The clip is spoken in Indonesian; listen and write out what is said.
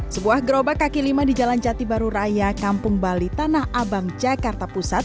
sebuah gerobak kaki lima di jalan jati baru raya kampung bali tanah abang jakarta pusat